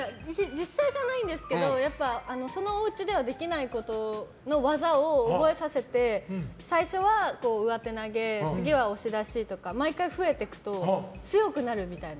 実際じゃないんですけどやっぱり、そのおうちではできないことの技を覚えさせて、最初は上手投げ次は押し出しとか毎回増えていくと強くなるみたいな。